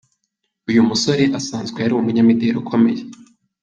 Uyu musore asanzwe ari umunyamideli ukomeye.